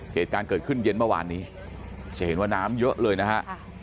เหตุการณ์เกิดขึ้นเย็นเมื่อวานนี้จะเห็นว่าน้ำเยอะเลยนะฮะ